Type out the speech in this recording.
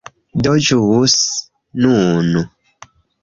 Do ĵus nun